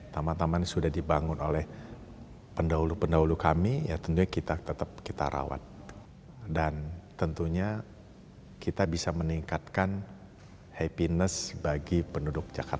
taman taman yang sudah dibangun oleh pendahulu pendahulu kami ya tentunya kita tetap kita rawat dan tentunya kita bisa meningkatkan happiness bagi penduduk jakarta